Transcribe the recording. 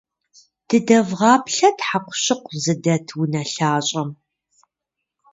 Дыдэвгъаплъэт хьэкъущыкъу зыдэт унэлъащӏэм.